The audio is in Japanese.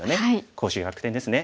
攻守逆転ですね。